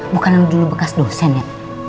bukan dulu bekas dosen ya